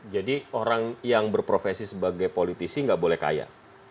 jadi orang yang berprofesi sebagai politisi nggak boleh kaya